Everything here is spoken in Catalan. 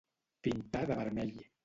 Pintar de vermell.